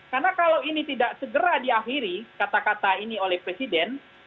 karena kalau ini tidak segera diakhiri kata kata ini oleh presiden